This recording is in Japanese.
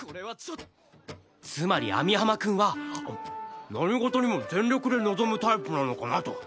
つまり網浜くんは何事にも全力で臨むタイプなのかなと。